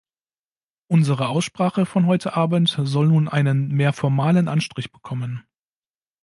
Unsere Aussprache von heute Abend soll nun einen mehr formalen Anstrich bekommen.